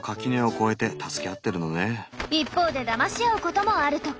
一方でだまし合うこともあるとか。